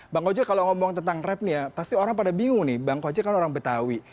bang kojek kalau ngomong tentang rep nih ya pasti orang pada bingung nih bang kojek kan orang betawi